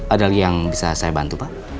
ada lagi yang bisa saya bantu pak